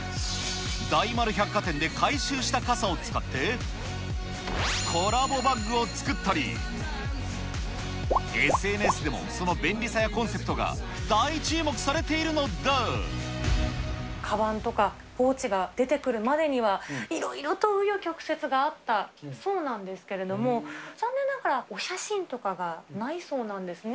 大丸百貨店で回収した傘を使って、コラボバッグを作ったり、ＳＮＳでもその便利さやコンセプトが大注目かばんとかポーチが出てくるまでには、いろいろとう余曲折があったそうなんですけれども、残念ながらお写真とかがないそうなんですね。